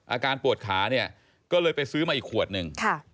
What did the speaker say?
อาการปวดขาเนี่ยก็เลยไปซื้อมาอีกขวดหนึ่ง